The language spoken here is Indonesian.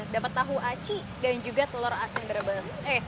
dapat tahu aci dan juga telur asin brebes